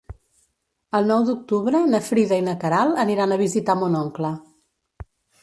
El nou d'octubre na Frida i na Queralt aniran a visitar mon oncle.